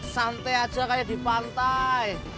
santai aja kayak di pantai